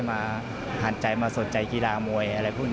มันถึงสนใจกีฬามวย